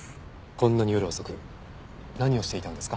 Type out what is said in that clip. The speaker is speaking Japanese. こんなに夜遅く何をしていたんですか？